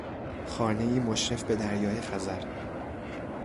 خانهای مشرف به دریای خزر